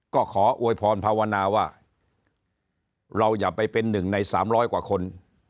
ก็ขออวยพรภาวนาว่าเราอย่าไปเป็นหนึ่งใน๓๐๐กว่าคน